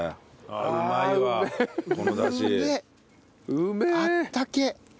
あったけえ。